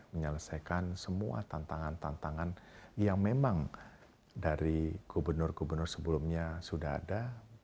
menyelesaikan semua tantangan tantangan yang memang dari gubernur gubernur sebelumnya sudah ada